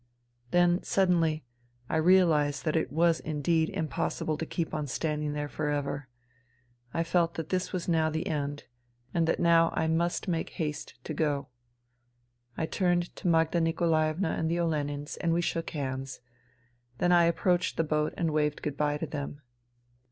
Then, suddenly, I realized that it was indeed im NINA 255 possible to keep on standing there for ever. I felt that this was now the end and that now I must make haste to go. I turned to Magda Nikolaevna and the Olenins, and we shook hands ; then I approached the boat and waved good bye to them.